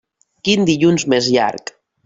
Quin dilluns més llarg!